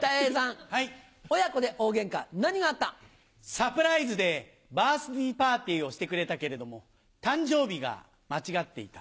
サプライズでバースデーパーティーをしてくれたけれども誕生日が間違っていた。